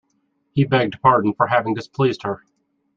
He begged pardon for having displeased her.